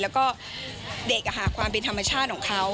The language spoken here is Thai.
แล้วก็เด็กความเป็นธรรมชาติของเขา